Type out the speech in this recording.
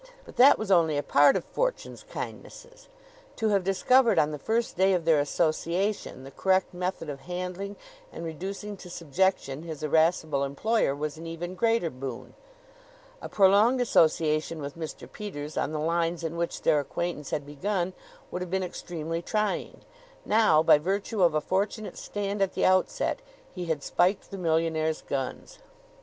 But that was only a part of Fortune's kindnesses. To have discovered on the first day of their association the correct method of handling and reducing to subjection his irascible employer was an even greater boon. A prolonged association with Mr. Peters on the lines in which their acquaintance had begun would have been extremely trying. Now, by virtue of a fortunate stand at the outset, he had spiked the millionaire's guns.